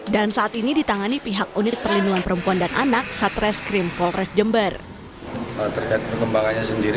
dan saat ini ditangani pihak unit perlindungan perempuan dan anak satreskrim polres jember